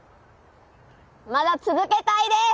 まだ続けたいです！